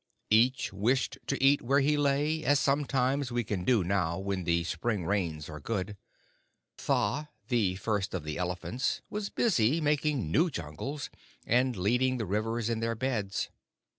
Each wished to eat where he lay down, as sometimes we can do now when the spring rains are good. Tha, the First of the Elephants, was busy making new jungles and leading the rivers in their beds.